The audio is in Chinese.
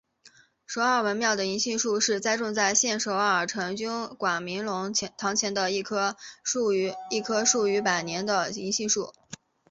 首尔文庙的银杏树是栽种在现首尔成均馆明伦堂前的一棵树龄逾数百年的银杏树。